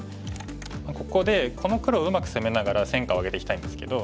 ここでこの黒をうまく攻めながら戦果を上げていきたいんですけど。